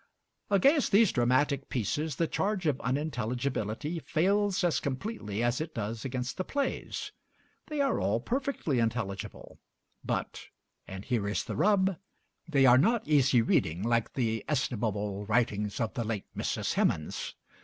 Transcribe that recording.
Against these dramatic pieces the charge of unintelligibility fails as completely as it does against the plays. They are all perfectly intelligible; but and here is the rub they are not easy reading, like the estimable writings of the late Mrs. Hemans.